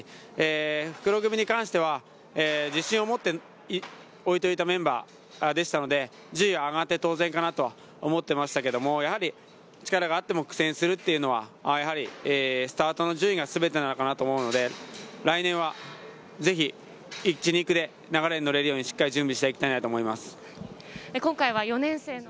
復路組に関しては、自信を持っていたメンバーでしたので順位は上がって当然と思っていましたが力があっても苦戦するというのは、やはりスタートの順位がすべてなのかなと思うので来年はぜひ、流れにのれるように、しっかり準備していきたいと思います。